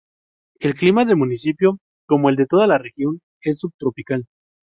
El clima del municipio, como el de toda la región, es subtropical.